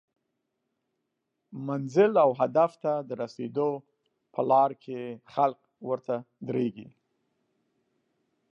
منزل او هدف ته د رسیدو په لار کې خلک ورته دریږي